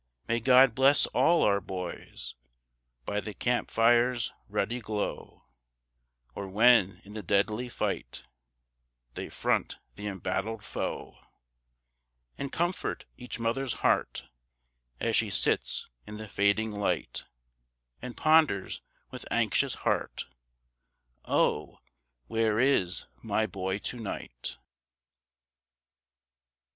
May God bless all our boys By the camp fire's ruddy glow, Or when in the deadly fight They front the embattled foe; And comfort each mother's heart, As she sits in the fading light, And ponders with anxious heart Oh, where is my boy to night?